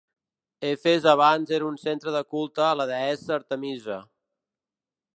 Efes abans era un centre de culte a la deessa Artemisa.